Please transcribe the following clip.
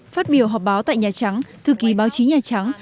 phát biểu họp báo tại nhà trắng thư ký báo chí nhà trắng